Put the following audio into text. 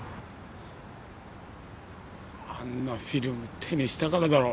あんなフィルム手にしたからだろ。